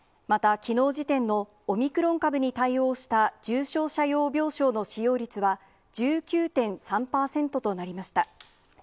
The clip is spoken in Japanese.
またきのう時点のオミクロン株に対応した重症者用病床の使用率は、１９．３％となりました。